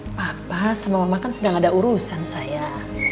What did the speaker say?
papa sama mama kan sedang ada urusan saya